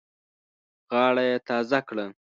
غاړه یې تازه کړه.